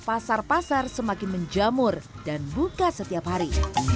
pasar pasar semakin menjamur dan buka setiap hari